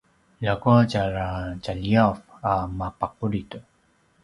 ljakua tjara tjaliyav a mapaqulid